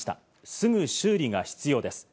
すぐ修理が必要です。